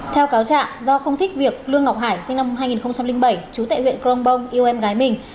theo cáo trạng do không thích việc lương ngọc hải sinh năm hai nghìn bảy chú tệ huyện crong bong yêu em gái mình